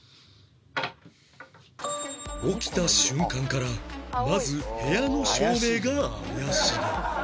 起きた瞬間からまず部屋の照明が怪しい